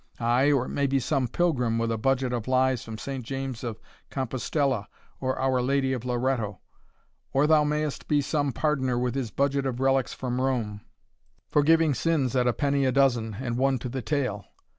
Ay, or it may be some pilgrim with a budget of lies from Saint James of Compostella, or Our Lady of Loretto; or thou mayest be some pardoner with his budget of relics from Rome, forgiving sins at a penny a dozen, and one to the tale.